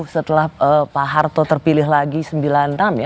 setelah pak harto terpilih lagi sembilan tam ya